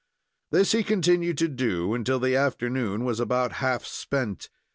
This he continued to do until the afternoon was about half spent.